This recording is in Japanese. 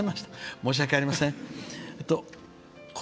申し訳ありません。